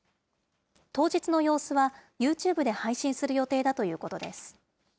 当日の様子は、ＹｏｕＴｕｂｅで配信する予定だということです。